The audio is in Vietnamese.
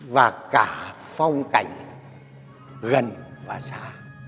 và cả phong cảnh gần và xa